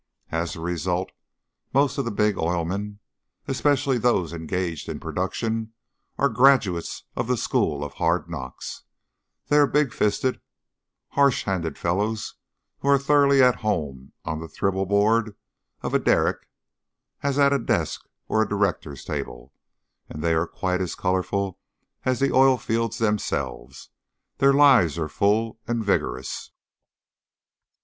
As a result, most of the big oil men, especially those engaged in production, are graduates of the school of hard knocks; they are big fisted, harsh handed fellows who are as thoroughly at home on the "thribble board" of a derrick as at a desk or a directors' table, and they are quite as colorful as the oil fields themselves. Their lives are full and vigorous.